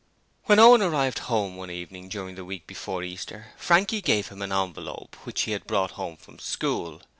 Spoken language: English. When Owen arrived home one evening during the week before Easter, Frankie gave him an envelope which he had brought home from school.